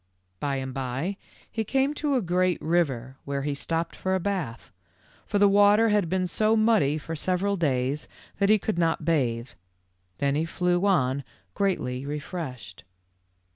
By THE END OF BLACK LIGHTNING. 89 and by he came to a great river where he stopped for a bath, for the water had been so muddy for several days that he could not bathe. Then he flew on greatly refreshed.